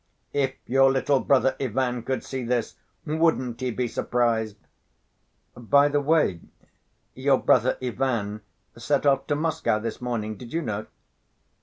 "If your little brother Ivan could see this—wouldn't he be surprised! By the way, your brother Ivan set off to Moscow this morning, did you know?"